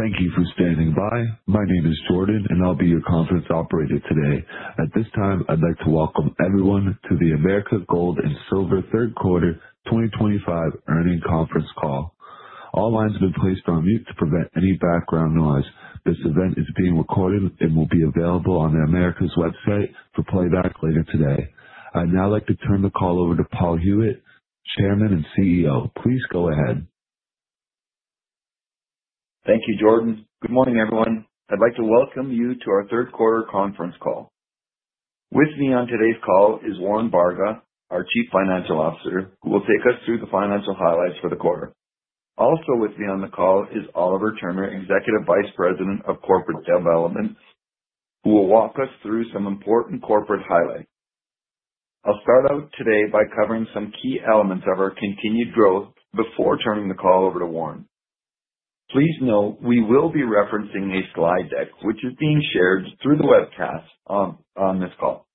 Thank you for standing by. My name is Jordan, and I'll be your conference operator today. At this time, I'd like to welcome everyone to the Americas Gold and Silver Third Quarter 2025 earnings conference call. All lines have been placed on mute to prevent any background noise. This event is being recorded and will be available on the Americas website for playback later today. I'd now like to turn the call over to Paul Huet, Chairman and CEO. Please go ahead. Thank you, Jordan. Good morning, everyone. I'd like to welcome you to our third quarter conference call. With me on today's call is Warren Varga, our Chief Financial Officer, who will take us through the financial highlights for the quarter. Also with me on the call is Oliver Turner, Executive Vice President of Corporate Development, who will walk us through some important corporate highlights. I'll start out today by covering some key elements of our continued growth before turning the call over to Warren. Please note we will be referencing a slide deck, which is being shared through the webcast on this call.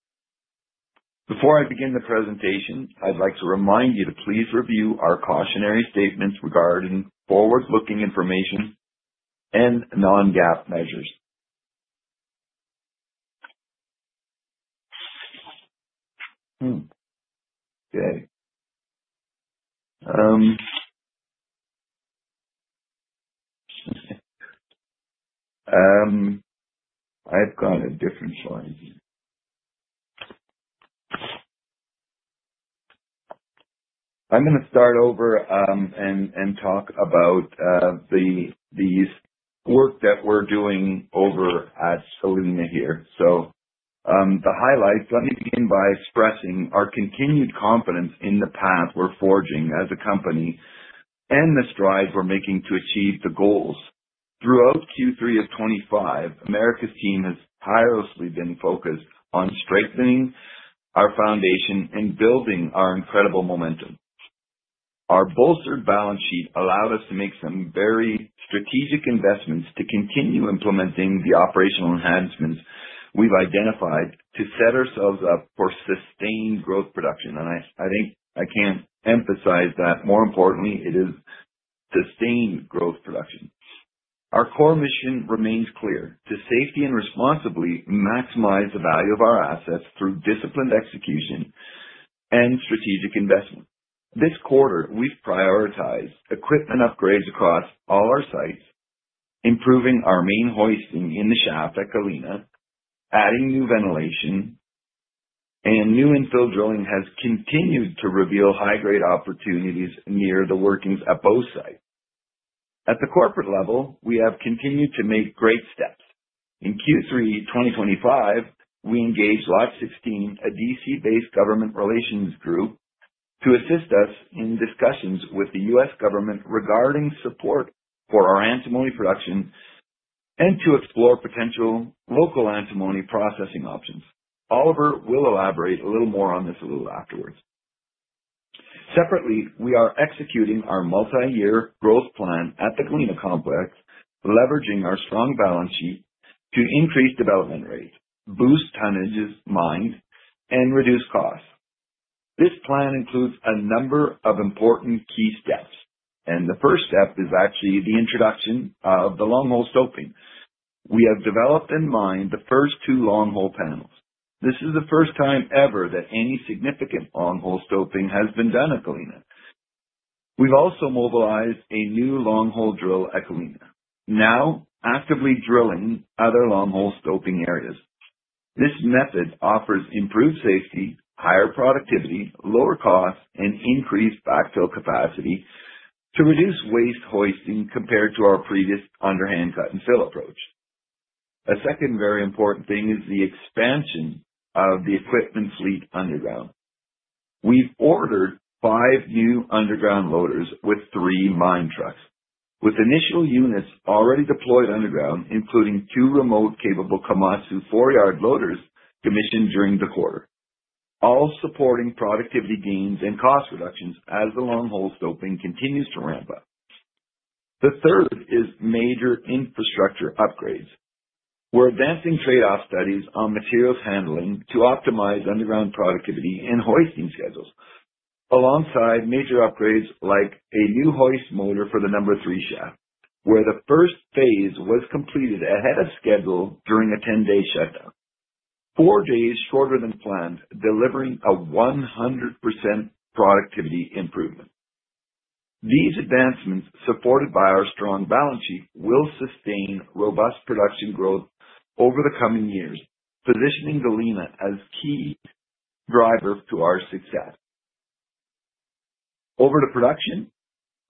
Before I begin the presentation, I'd like to remind you to please review our cautionary statements regarding forward-looking information and non-GAAP measures. Okay. I've got a different slide here. I'm going to start over and talk about the work that we're doing over at Cosalá here. The highlights, let me begin by expressing our continued confidence in the path we're forging as a company and the strides we're making to achieve the goals. Throughout Q3 of 2025, Americas' team has tirelessly been focused on strengthening our foundation and building our incredible momentum. Our bolstered balance sheet allowed us to make some very strategic investments to continue implementing the operational enhancements we've identified to set ourselves up for sustained growth production. I think I can't emphasize that more importantly, it is sustained growth production. Our core mission remains clear: to safely and responsibly maximize the value of our assets through disciplined execution and strategic investment. This quarter, we've prioritized equipment upgrades across all our sites, improving our main hoisting in the shaft at Colina, adding new ventilation, and new infill drilling has continued to reveal high-grade opportunities near the workings at both sites. At the corporate level, we have continued to make great steps. In Q3 2025, we engaged Lot 16, a D.C.-based government relations group, to assist us in discussions with the U.S. government regarding support for our antimony production and to explore potential local antimony processing options. Oliver will elaborate a little more on this a little afterwards. Separately, we are executing our multi-year growth plan at the Colina Complex, leveraging our strong balance sheet to increase development rates, boost tonnage demand, and reduce costs. This plan includes a number of important key steps. The first step is actually the introduction of the long-hole stoping. We have developed and mined the first two long-hole panels. This is the first time ever that any significant long-hole stoping has been done at Colina. We've also mobilized a new long-hole drill at Colina, now actively drilling other long-hole stoping areas. This method offers improved safety, higher productivity, lower costs, and increased backfill capacity to reduce waste hoisting compared to our previous underhand cut and fill approach. A second very important thing is the expansion of the equipment fleet underground. We've ordered five new underground loaders with three mine trucks, with initial units already deployed underground, including two remote-capable Komatsu four-yard loaders commissioned during the quarter, all supporting productivity gains and cost reductions as the long-hole stoping continues to ramp up. The third is major infrastructure upgrades. We're advancing trade-off studies on materials handling to optimize underground productivity and hoisting schedules, alongside major upgrades like a new hoist motor for the number three shaft, where the first phase was completed ahead of schedule during a 10-day shutdown, four days shorter than planned, delivering a 100% productivity improvement. These advancements, supported by our strong balance sheet, will sustain robust production growth over the coming years, positioning Colina as a key driver to our success. Over to production,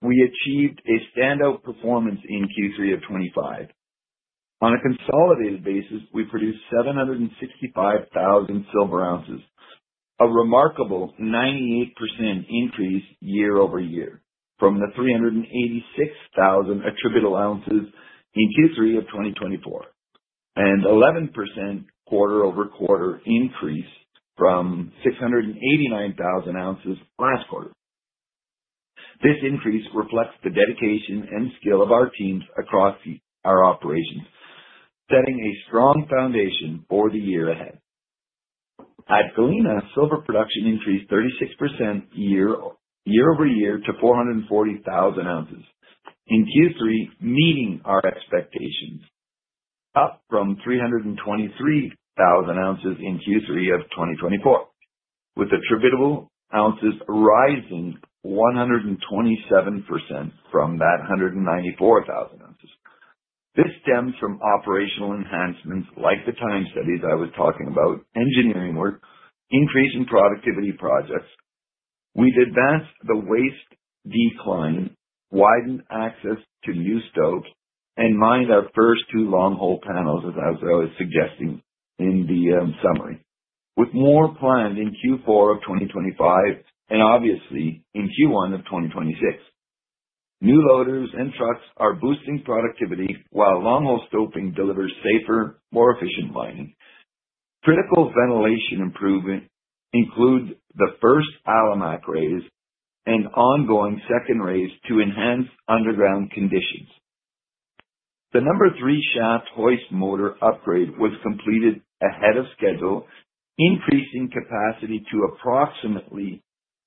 we achieved a standout performance in Q3 of 2025. On a consolidated basis, we produced 765,000 silver ounces, a remarkable 98% increase year-over-year from the 386,000 attributable ounces in Q3 of 2024, and an 11% quarter-over-quarter increase from 689,000 ounces last quarter. This increase reflects the dedication and skill of our teams across our operations, setting a strong foundation for the year ahead. At Colina, silver production increased 36% year-over-year to 440,000 ounces in Q3, meeting our expectations, up from 323,000 ounces in Q3 of 2024, with attributable ounces rising 127% from that 194,000 ounces. This stems from operational enhancements like the time studies I was talking about, engineering work, increase in productivity projects. We've advanced the waste decline, widened access to new stops, and mined our first two long-hole panels, as I was suggesting in the summary, with more planned in Q4 of 2025 and obviously in Q1 of 2026. New loaders and trucks are boosting productivity while long-hole stoping delivers safer, more efficient mining. Critical ventilation improvement includes the first Alamak raise and ongoing second raise to enhance underground conditions. The number three shaft hoist motor upgrade was completed ahead of schedule, increasing capacity to approximately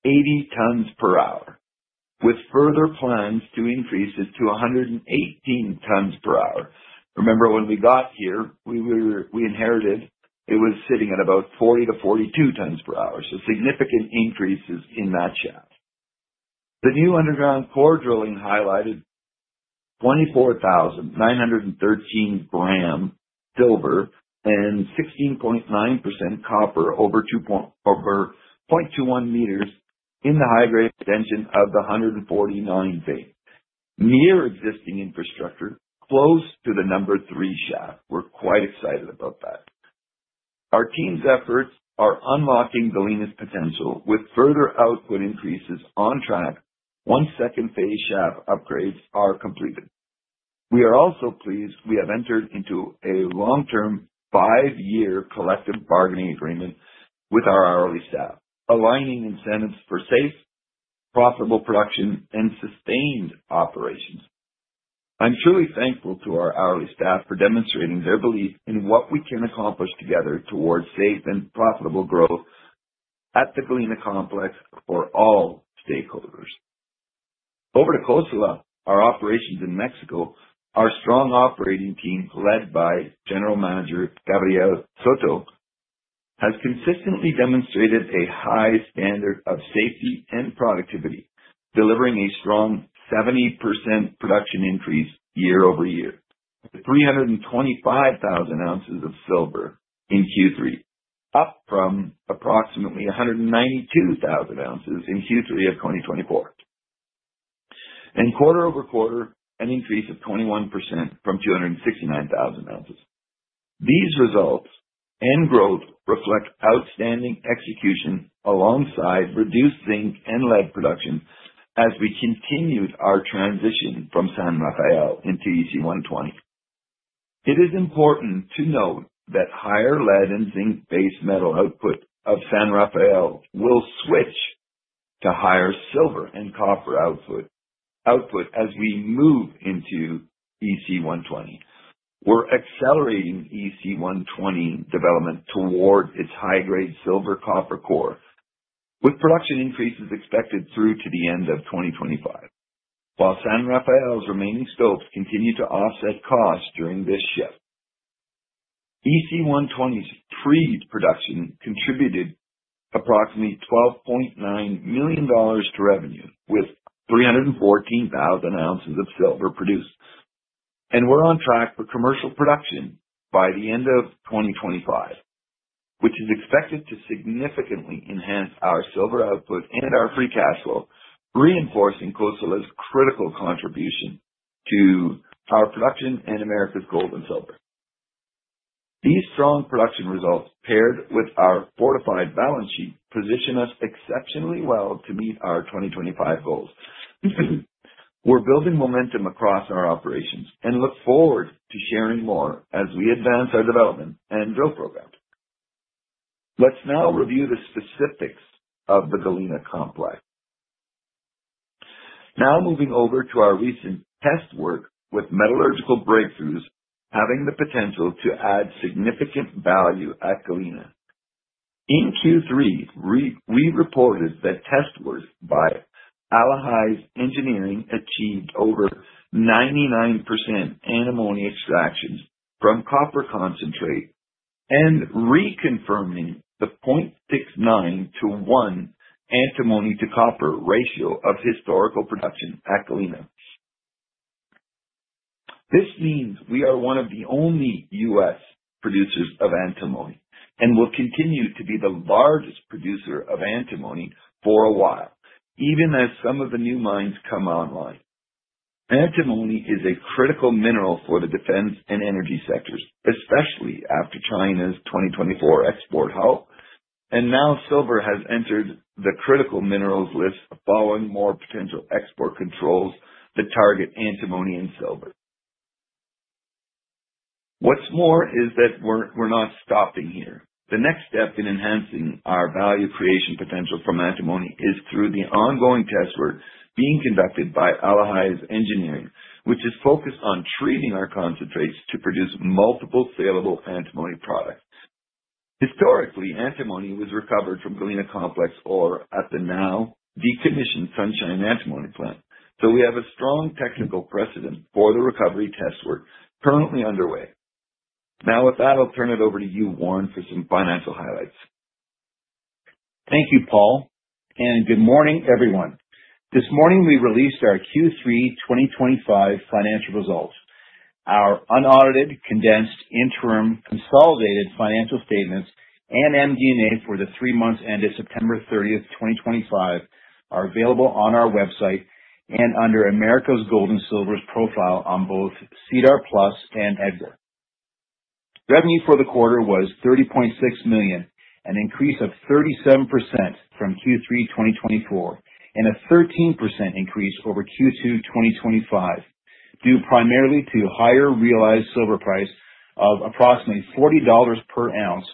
80 tons per hour, with further plans to increase it to 118 tons per hour. Remember, when we got here, we inherited it was sitting at about 40-42 tons per hour, so significant increases in that shaft. The new underground core drilling highlighted 24,913 grams silver and 16.9% copper over 0.21 meters in the high-grade extension of the 149 bay Near existing infrastructure close to the number three shaft, we're quite excited about that. Our team's efforts are unlocking Galena's potential with further output increases on track once second phase shaft upgrades are completed. We are also pleased we have entered into a long-term five-year collective bargaining agreement with our hourly staff, aligning incentives for safe, profitable production, and sustained operations. I'm truly thankful to our hourly staff for demonstrating their belief in what we can accomplish together towards safe and profitable growth at the Galena Complex for all stakeholders. Over to Cosalá. Our operations in Mexico, our strong operating team led by General Manager Gabriel Soto has consistently demonstrated a high standard of safety and productivity, delivering a strong 70% production increase year-over-year, 325,000 ounces of silver in Q3, up from approximately 192,000 ounces in Q3 of 2024, and quarter-over-quarter, an increase of 21% from 269,000 ounces. These results and growth reflect outstanding execution alongside reduced zinc and lead production as we continued our transition from San Rafael into EC120. It is important to note that higher lead and zinc-based metal output of San Rafael will switch to higher silver and copper output as we move into EC120. We're accelerating EC120 development toward its high-grade silver-copper core, with production increases expected through to the end of 2025, while San Rafael's remaining stopes continue to offset costs during this shift. EC120's pre-production contributed approximately $12.9 million to revenue, with 314,000 ounces of silver produced, and we're on track for commercial production by the end of 2025, which is expected to significantly enhance our silver output and our free cash flow, reinforcing Cosalá's critical contribution to power production and Americas Gold and Silver. These strong production results, paired with our fortified balance sheet, position us exceptionally well to meet our 2025 goals. We're building momentum across our operations and look forward to sharing more as we advance our development and drill program. Let's now review the specifics of the Galena Complex. Now moving over to our recent test work with metallurgical breakthroughs having the potential to add significant value at Galena. In Q3, we reported that test work by Alahi's Engineering achieved over 99% antimony extractions from copper concentrate and reconfirming the 0.69-1 antimony-to-copper ratio of historical production at Galena. This means we are one of the only US producers of antimony and will continue to be the largest producer of antimony for a while, even as some of the new mines come online. Antimony is a critical mineral for the defense and energy sectors, especially after China's 2024 export halt and now silver has entered the critical minerals list following more potential export controls that target antimony and silver. What's more is that we're not stopping here. The next step in enhancing our value creation potential from antimony is through the ongoing test work being conducted by Alahi's Engineering, which is focused on treating our concentrates to produce multiple salable antimony products. Historically, antimony was recovered from Galena Complex or at the now-decommissioned Sunshine Antimony Plant, so we have a strong technical precedent for the recovery test work currently underway. Now with that, I'll turn it over to you, Warren, for some financial highlights. Thank you, Paul, and good morning, everyone. This morning, we released our Q3 2025 financial results. Our unaudited, condensed, interim, consolidated financial statements and MD&A for the three months ended September 30th, 2025 are available on our website and under Americas Gold and Silver's profile on both CDAR Plus and EDGAR. Revenue for the quarter was $30.6 million, an increase of 37% from Q3 2024, and a 13% increase over Q2 2025 due primarily to higher realized silver price of approximately $40 per ounce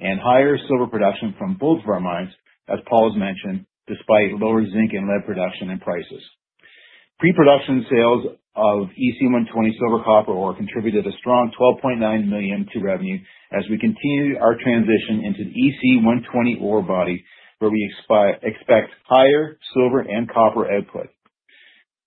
and higher silver production from both of our mines, as Paul has mentioned, despite lower zinc and lead production and prices. Pre-production sales of EC120 silver-copper ore contributed a strong $12.9 million to revenue as we continue our transition into the EC120 ore body, where we expect higher silver and copper output.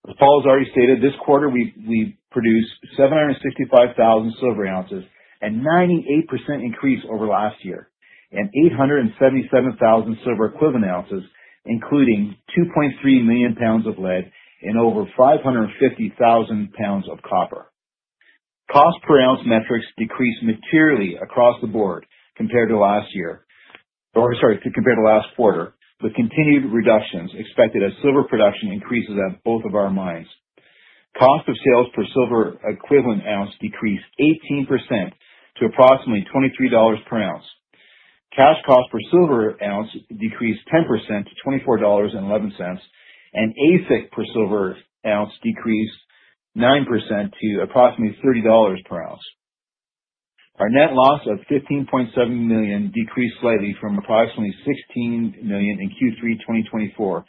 As Paul has already stated, this quarter, we produced 765,000 silver ounces and a 98% increase over last year and 877,000 silver-equivalent ounces, including 2.3 million pounds of lead and over 550,000 pounds of copper. Cost-per-ounce metrics decreased materially across the board compared to last year or sorry, compared to last quarter, with continued reductions expected as silver production increases at both of our mines. Cost of sales per silver-equivalent ounce decreased 18% to approximately $23 per ounce. Cash cost per silver ounce decreased 10% to $24.11, and ASIC per silver ounce decreased 9% to approximately $30 per ounce. Our net loss of $15.7 million decreased slightly from approximately $16 million in Q3 2024,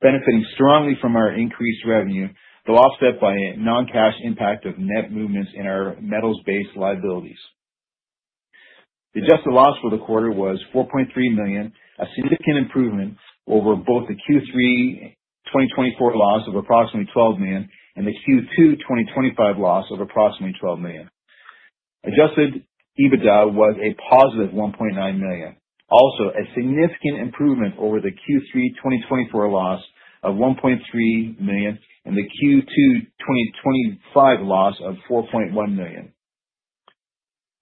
benefiting strongly from our increased revenue, though offset by a non-cash impact of net movements in our metals-based liabilities. The adjusted loss for the quarter was $4.3 million, a significant improvement over both the Q3 2024 loss of approximately $12 million and the Q2 2025 loss of approximately $12 million. Adjusted EBITDA was a positive $1.9 million, also a significant improvement over the Q3 2024 loss of $1.3 million and the Q2 2025 loss of $4.1 million.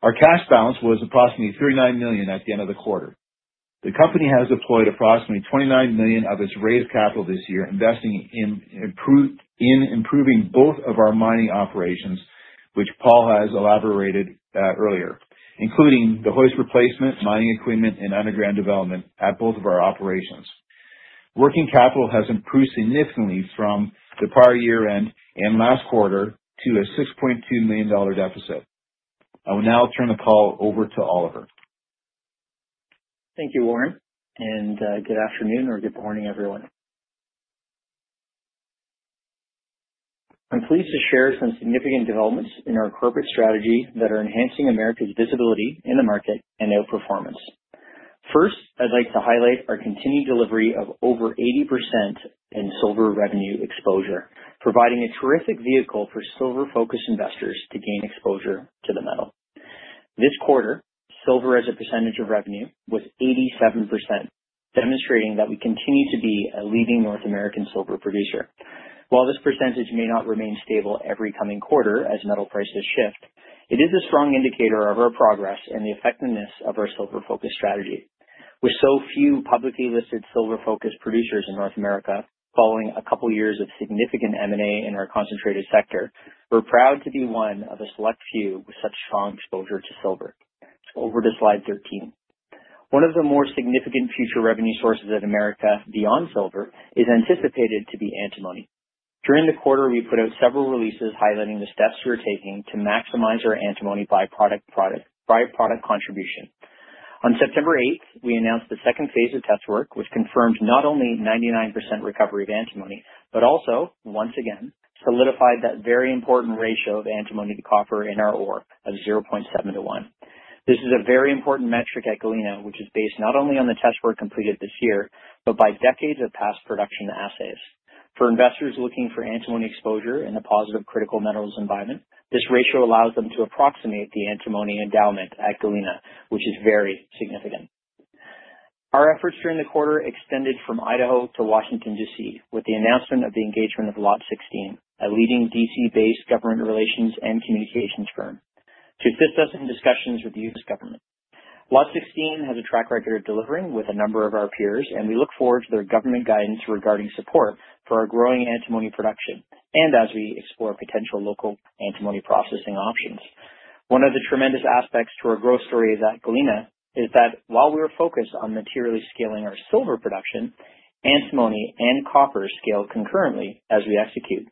Our cash balance was approximately $39 million at the end of the quarter. The company has deployed approximately $29 million of its raised capital this year, investing in improving both of our mining operations, which Paul has elaborated earlier, including the hoist replacement, mining equipment, and underground development at both of our operations. Working capital has improved significantly from the prior year-end and last quarter to a $6.2 million deficit. I will now turn the call over to Oliver. Thank you, Warren, and good afternoon or good morning, everyone. I'm pleased to share some significant developments in our corporate strategy that are enhancing Americas Gold and Silver's visibility in the market and outperformance. First, I'd like to highlight our continued delivery of over 80% in silver revenue exposure, providing a terrific vehicle for silver-focused investors to gain exposure to the metal. This quarter, silver as a percentage of revenue was 87%, demonstrating that we continue to be a leading North American silver producer. While this percentage may not remain stable every coming quarter as metal prices shift, it is a strong indicator of our progress and the effectiveness of our silver-focused strategy. With so few publicly listed silver-focused producers in North America, following a couple of years of significant M&A in our concentrated sector, we're proud to be one of a select few with such strong exposure to silver. Over to slide 13. One of the more significant future revenue sources in America beyond silver is anticipated to be antimony. During the quarter, we put out several releases highlighting the steps we're taking to maximize our antimony byproduct contribution. On September eight, we announced the second phase of test work, which confirmed not only 99% recovery of antimony, but also, once again, solidified that very important ratio of antimony to copper in our ore of 0.69 to 1. This is a very important metric at Galena, which is based not only on the test work completed this year, but by decades of past production assays. For investors looking for antimony exposure in a positive critical metals environment, this ratio allows them to approximate the antimony endowment at Galena, which is very significant. Our efforts during the quarter extended from Idaho to Washington, D.C., with the announcement of the engagement of Lot 16, a leading D.C.-based government relations and communications firm, to assist us in discussions with the U.S. government. Lot 16 has a track record of delivering with a number of our peers, and we look forward to their government guidance regarding support for our growing antimony production and as we explore potential local antimony processing options. One of the tremendous aspects to our growth story at Galena is that while we are focused on materially scaling our silver production, antimony and copper scale concurrently as we execute.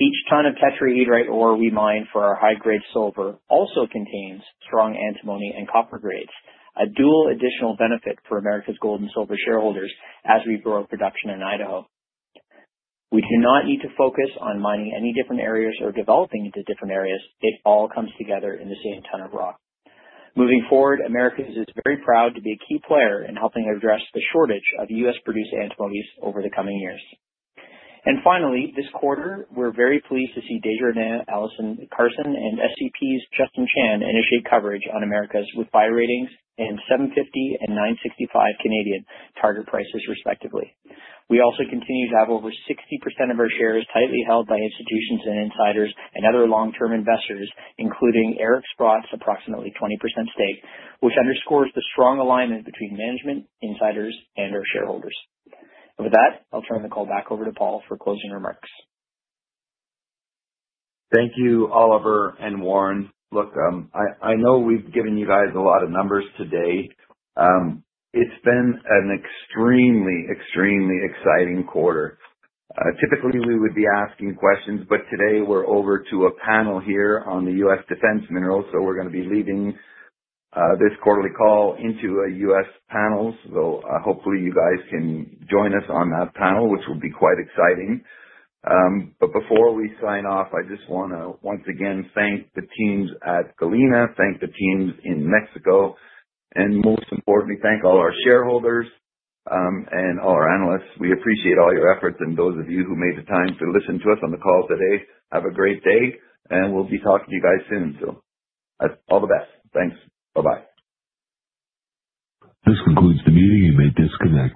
Each ton of tetrahedrite ore we mine for our high-grade silver also contains strong antimony and copper grades, a dual additional benefit for Americas Gold and Silver shareholders as we grow production in Idaho. We do not need to focus on mining any different areas or developing into different areas. It all comes together in the same ton of rock. Moving forward, Americas is very proud to be a key player in helping address the shortage of US-produced antimony over the coming years. Finally, this quarter, we are very pleased to see Deirdre Nana Allison Carson and SCP's Justin Chan initiate coverage on Americas with buy ratings and 750 and 965 target prices, respectively. We also continue to have over 60% of our shares tightly held by institutions and insiders and other long-term investors, including Eric Sprott's approximately 20% stake, which underscores the strong alignment between management, insiders, and our shareholders. With that, I will turn the call back over to Paul for closing remarks. Thank you, Oliver and Warren. Look, I know we have given you guys a lot of numbers today. It's been an extremely, extremely exciting quarter. Typically, we would be asking questions, but today we're over to a panel here on the US defense minerals, so we're going to be leading this quarterly call into a US panel, so hopefully you guys can join us on that panel, which will be quite exciting. Before we sign off, I just want to once again thank the teams at Galena, thank the teams in Mexico, and most importantly, thank all our shareholders and all our analysts. We appreciate all your efforts, and those of you who made the time to listen to us on the call today, have a great day, and we'll be talking to you guys soon. All the best. Thanks. Bye-bye. This concludes the meeting. You may disconnect.